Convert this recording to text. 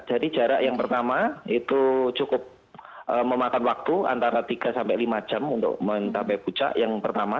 jadi jarak yang pertama itu cukup memakan waktu antara tiga sampai lima jam untuk mencapai pucat yang pertama